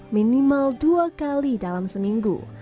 minimal dua kali dalam seminggu